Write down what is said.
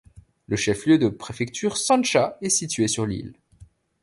Le chef lieu de préfecture Sansha est situé sur l'île.